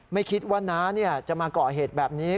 ไม่คิดว่าน้าจะมาก่อเหตุแบบนี้